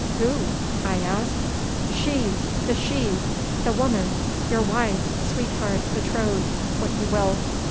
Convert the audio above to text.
Who?' I asked. 'She. The she. The woman. Your wife, sweetheart, betrothed, what you will.